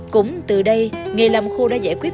cũng từ đây nghề làm khô đã giải quyết